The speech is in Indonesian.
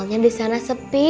soalnya disana sepi